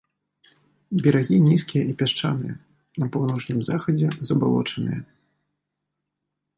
Берагі нізкія і пясчаныя, на паўночным захадзе забалочаныя.